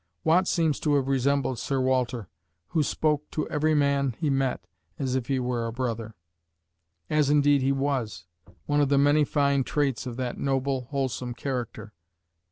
Watt seems to have resembled Sir Walter, "who spoke to every man he met as if he were a brother" as indeed he was one of the many fine traits of that noble, wholesome character.